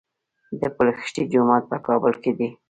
د پل خشتي جومات په کابل کې دی